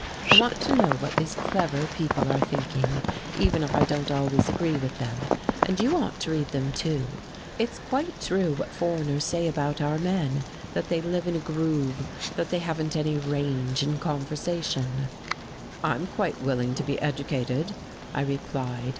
I want to know what these clever people are thinking, even if I don't always agree with them, and you ought to read them too. It's quite true what foreigners say about our men, that they live in a groove, that they haven't any range of conversation." "I'm quite willing to be educated," I replied.